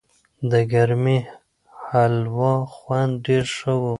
د ګرمې هلوا خوند ډېر ښه و.